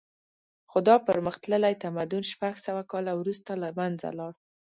خو دا پرمختللی تمدن شپږ سوه کاله وروسته له منځه لاړ